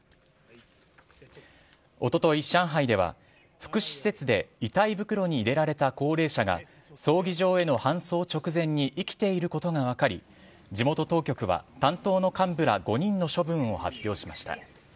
おととい、上海では福祉施設で遺体袋に入れられた高齢者が、葬儀場への搬送直前に生きていることが分かり、地元当局は、担当の幹部ら５人の処分を発表しました。